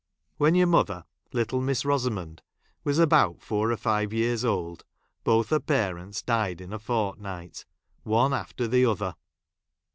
When your mother, little Miss Eosamond, was about four or fiA'e years old, both her parents died in a fortnight — one after the other.